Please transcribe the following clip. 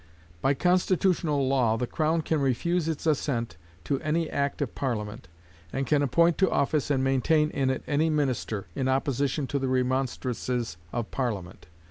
By constitutional law, the crown can refuse its assent to any act of Parliament, and can appoint to office and maintain in it any minister, in opposition to the remonstrances of Parliament.